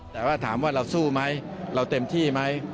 แต่ว่าถามว่าเราสู้ไหมเราเต็มที่ไหม